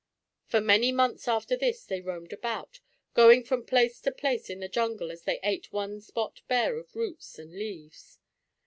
For many months after this they roamed about, going from place to place in the jungle as they ate one spot bare of roots and leaves.